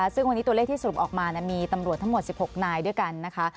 ซึ่งวันนี้ตัวเลขที่สรุปออกมามีตำรวจทั้งหมด๑๖นายด้วยกันนะคะ